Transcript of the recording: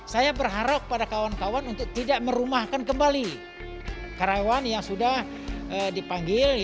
saya berharap pada kawan kawan untuk tidak merumahkan kembali karyawan yang sudah dipanggil